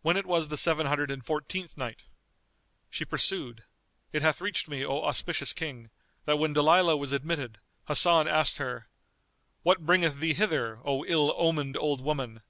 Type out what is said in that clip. When it was the Seven Hundred and Fourteenth Night, She pursued, It hath reached me, O auspicious King, that when Dalilah was admitted, Hasan asked her, "What bringeth thee hither, O ill omened old woman?